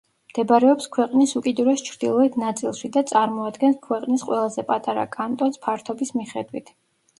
მდებარეობს ქვეყნის უკიდურეს ჩრდილოეთ ნაწილში და წარმოადგენს ქვეყნის ყველაზე პატარა კანტონს ფართობის მიხედვით.